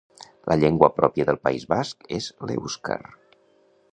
La llengua pròpia del País Basc és l'èuscar.